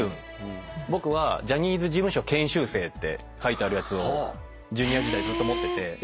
僕は「ジャニーズ事務所研修生」って書いてあるやつをＪｒ．時代ずっと持ってて。